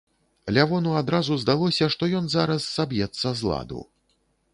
Лявону адразу здалося, што ён зараз саб'ецца з ладу.